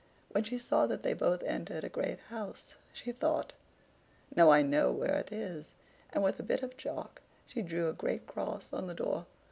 When she saw that they both entered a great house, she thought: "Now I know where it is; and with a bit of chalk she drew a great cross on the door.